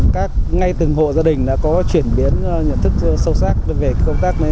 và ngay từng hộ gia đình đã có chuyển biến nhận thức sâu sắc về công tác này